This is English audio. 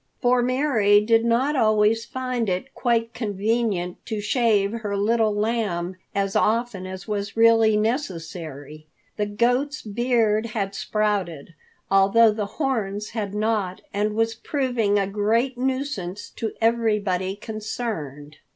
For Mary did not always find it quite convenient to shave her Little Lamb as often as was really necessary. The goat's beard had sprouted, although the horns had not, and was proving a great nuisance to everybody concerned.